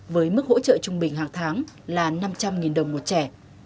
với mức hỗ trợ trung bình hàng tháng là năm trăm linh đồng một trẻ